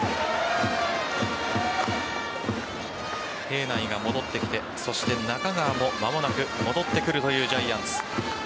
平内が戻ってきてそして中川も間もなく戻ってくるというジャイアンツ。